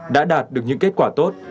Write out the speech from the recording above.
đã đạt được những kết quả tốt